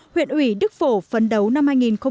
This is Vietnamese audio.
huyện ủy đức phổ phấn đấu năm hai nghìn một mươi bảy